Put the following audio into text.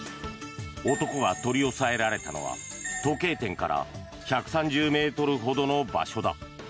男が取り押さえられたのは時計店から１３０ｍほどの場所だ。